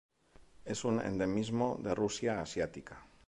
Es un endemismo de Rusia asiática.